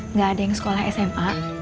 nggak ada yang sekolah sma